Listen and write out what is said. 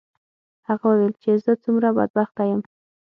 هغه وویل چې زه څومره بدبخته یم.